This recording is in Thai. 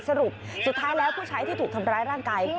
สรุปสุดท้ายแล้วผู้ใช้ที่ถูกทำร้ายร่างกาย